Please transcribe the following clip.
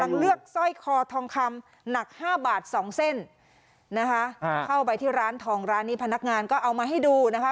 เลือกสร้อยคอทองคำหนักห้าบาทสองเส้นนะคะเข้าไปที่ร้านทองร้านนี้พนักงานก็เอามาให้ดูนะคะ